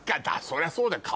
そりゃそうだよ。